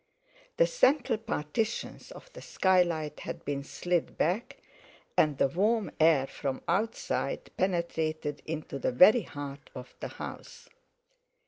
The central partitions of the skylight had been slid back, and the warm air from outside penetrated into the very heart of the house.